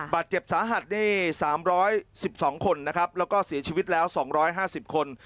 บาดเจ็บสาหัสนี่๓๑๒คนนะครับแล้วก็เสียชีวิตแล้ว๒๕๐คน